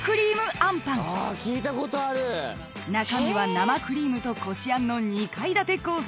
［中身は生クリームとこしあんの２階建て構造］